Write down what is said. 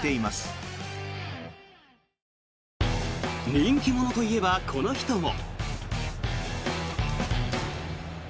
人気者といえば、この人も。